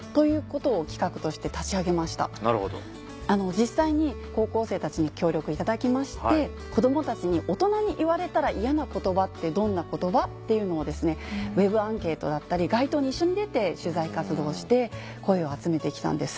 実際に高校生たちに協力いただきまして子どもたちに「大人に言われたら嫌な言葉ってどんな言葉？」っていうのをウェブアンケートだったり街頭に一緒に出て取材活動して声を集めてきたんです。